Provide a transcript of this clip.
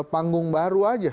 panggung baru aja